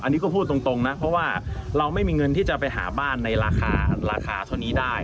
อันนี้ก็พูดตรงนะเพราะว่าเราไม่มีเงินที่จะไปหาบ้านในราคาราคาเท่านี้ได้